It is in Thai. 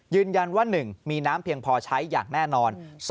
ยืนยันว่า๑มีน้ำเพียงพอใช้อย่างแน่นอน